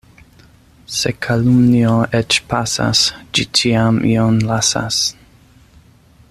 Se kalumnio eĉ pasas, ĝi ĉiam ion lasas.